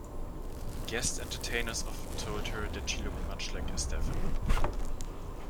Guest entertainers often told her that she looked much like Estefan.